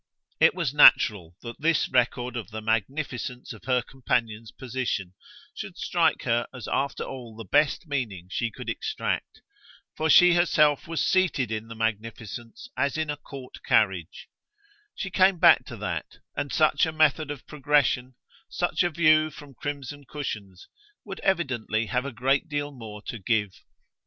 It was natural that this record of the magnificence of her companion's position should strike her as after all the best meaning she could extract; for she herself was seated in the magnificence as in a court carriage she came back to that, and such a method of progression, such a view from crimson cushions, would evidently have a great deal more to give.